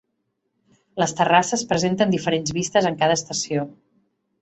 Les terrasses presenten diferents vistes en cada estació.